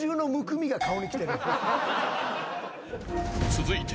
［続いて］